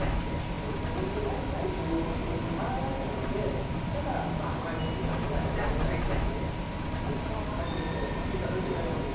自分でやりたいというお気持ちの表れなのでだから前向きには捉えてあげたいんですね。